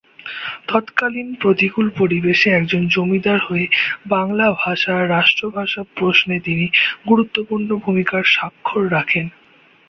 তৎকালীন প্রতিকূল পরিবেশে একজন জমিদার হয়ে বাংলা ভাষা রাষ্ট্রভাষা প্রশ্নে তিনি গুরুত্বপূর্ণ ভূমিকার স্বাক্ষর রাখেন।